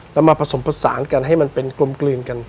แล้วมาผสมผสานกันให้มันเป็นกลมกลืนกัน